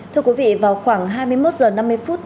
thưa quý vị vào khoảng hai mươi một h năm mươi phút